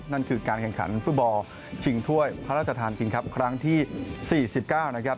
นั่นคือการแข่งขันฟุตบอลชิงถ้วยพระราชทานคิงครับครั้งที่๔๙นะครับ